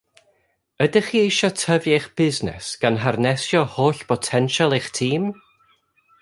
Ydych chi eisiau tyfu eich busnes gan harneisio holl botensial eich tîm?